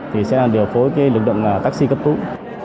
thì sẽ điều phối lực động taxi cấp cứu